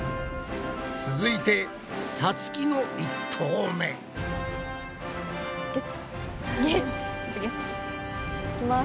続いてさつきの１投目。いきます。